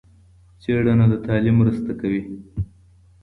څېړنه د تعليم مرسته کوي.